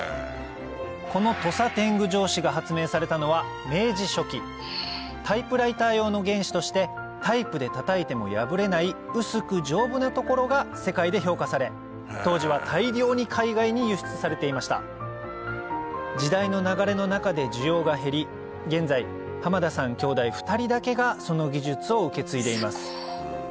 この土佐典具帖紙が発明されたのは明治初期タイプライター用の原紙としてタイプでたたいても破れない薄く丈夫なところが世界で評価され当時は大量に海外に輸出されていました時代の流れの中で需要が減り現在浜田さん兄弟２人だけがその技術を受け継いでいます